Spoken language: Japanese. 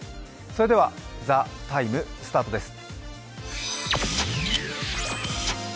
それでは「ＴＨＥＴＩＭＥ，」スタートです。